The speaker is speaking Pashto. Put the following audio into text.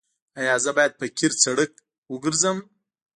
ایا زه باید په قیر سړک وګرځم؟